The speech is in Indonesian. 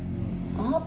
apa yang aku tengok